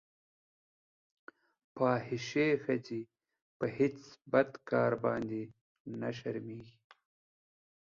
فاحشې ښځې په هېڅ بد کار باندې نه شرمېږي.